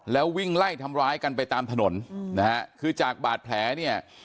แล้ววิ่งไล่ทำร้ายกันไปตามถนนนะฮะคือจากบาดแผลเนี่ย